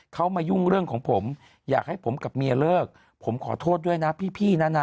เขามายุ่งเรื่องของผมอยากให้ผมกับเมียเลิกผมขอโทษด้วยนะพี่นะนะ